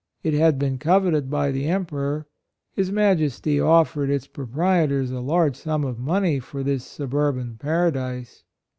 It had been coveted by the Emperor. His majesty offered its proprietors a large sum of money for this sub urban paradise.